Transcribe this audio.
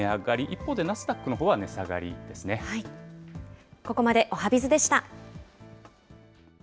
一方でナスダックのほうは値下がここまでおはＢｉｚでした。